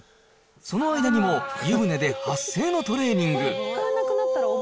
その間にも、湯船で発声のトレーニング。